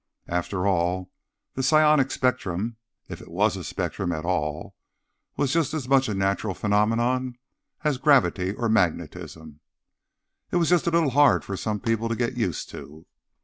After all, the psionic spectrum (if it was a spectrum at all) was just as much a natural phenomenon as gravity or magnetism. It was just a little hard for some people to get used to.